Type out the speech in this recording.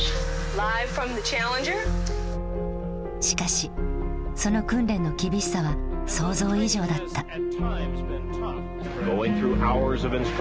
しかしその訓練の厳しさは想像以上だった。